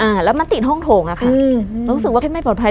อ่าแล้วมันติดห้องโถงอะค่ะอืมรู้สึกว่าแค่ไม่ปลอดภัย